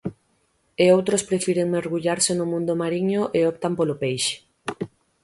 E outros prefiren mergullarse no mundo mariño e optan polo peixe...